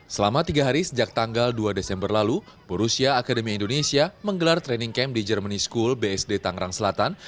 selama tiga hari sejak tanggal dua desember lalu borussia akademi indonesia menggelar training camp di jermany school bsd tangerang selatan